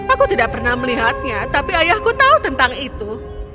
aku tidak pernah melihatnya tapi ayahku tahu tentang itu